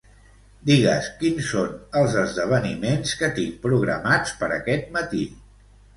Digues quins són els esdeveniments que tinc programats per aquest matí.